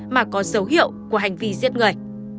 mà có dấu hiệu của hành vi giết người